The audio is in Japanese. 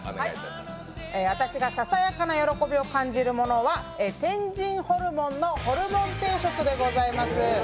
私がささやかな喜びを感じるものは天神ホルモンのホルモン定食でございます。